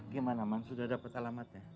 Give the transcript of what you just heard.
gimana man sudah dapat alamatnya